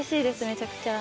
めちゃくちゃ。